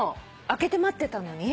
開けて待ってたのに？